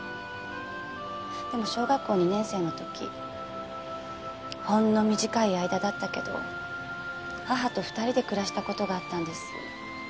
でも小学校２年生の時ほんの短い間だったけど母と２人で暮らした事があったんです。